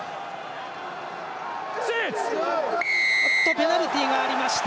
ペナルティがありました。